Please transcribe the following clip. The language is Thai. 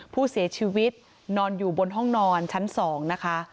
ผู้เสียชีวิตนอนอยู่บนห้องนอนชั้น๒นะคะ